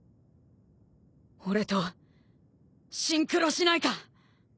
俺とシンクロしないか？